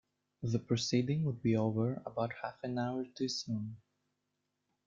The proceeding would be over about half an hour too soon.